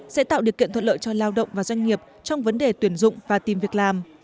sẽ tạo điều kiện thuận lợi cho lao động và doanh nghiệp trong vấn đề tuyển dụng và tìm việc làm